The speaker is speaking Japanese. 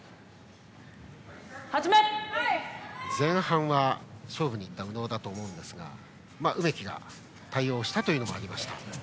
前半は勝負に行った宇野だと思いますが梅木が対応したというのもありました。